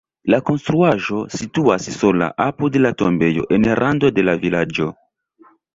La konstruaĵo situas sola apud la tombejo en rando de la vilaĝo.